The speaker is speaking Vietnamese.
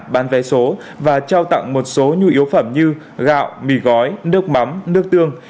bán vé số và trao tặng một số nhu yếu phẩm như gạo mì gói nước mắm nước tương